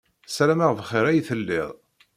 Ssarameɣ bxir ay telliḍ.